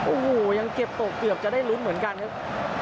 โอ้โหยังเก็บตกเกือบจะได้ลุ้นเหมือนกันครับ